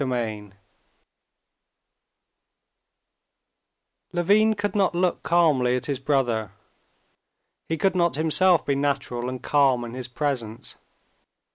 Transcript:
Chapter 18 Levin could not look calmly at his brother; he could not himself be natural and calm in his presence.